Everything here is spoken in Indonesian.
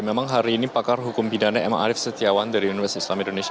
memang hari ini pakar hukum pidana emang arief setiawan dari universitas islam indonesia